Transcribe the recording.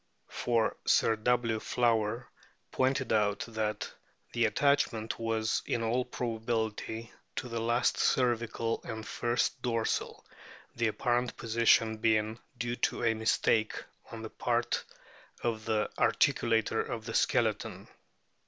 For Sir W. Flower pointed out that the attachment was in all probability to the last cervical and first dorsal, the apparent position being due to a mistake on the part of the articulator of the skeleton.